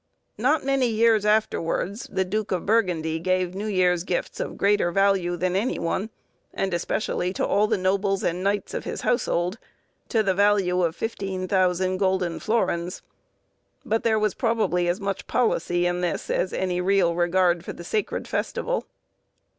Not many years afterwards, the duke of Burgundy gave New Year's Gifts of greater value than any one, and especially to all the nobles and knights of his household, to the value of 15,000 golden florins; but there was probably as much policy in this, as any real regard for the sacred festival.